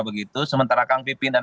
begitu sementara kang pipin dan